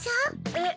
えっ？